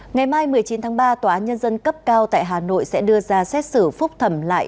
ngày mai một mươi chín tháng ba tòa án nhân dân cấp cao tại hà nội sẽ đưa ra xét xử phúc thẩm lại